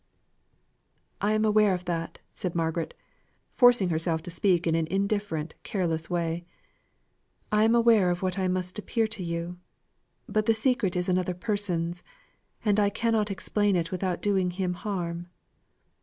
"I am aware of that," said Margaret, forcing herself to speak in an indifferent, careless way. "I am aware of what I must appear to you, but the secret is another person's, and I cannot explain it without doing him harm."